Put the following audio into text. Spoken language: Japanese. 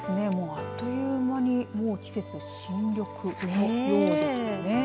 あっという間にもう季節新緑のようですね。